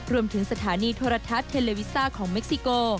รวมถึงสถานีโทรทัศน์เทเลวิซ่าของเม็กซิโก